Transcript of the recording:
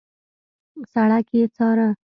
سړک يې څاره.